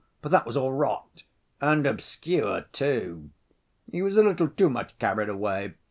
But that was all rot." "And obscure too." "He was a little too much carried away."